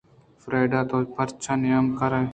فریڈا ءَ تو پرچہ نیام ءَ کارے